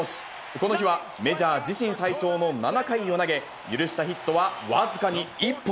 この日はメジャー自身最長の７回を投げ、許したヒットは僅かに１本。